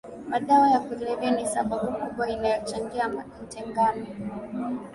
Madawa ya kulevya ni sababu kubwa inayochangia mtengano huo